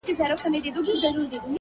• زموږه دوو زړونه دي تل د محبت مخته وي،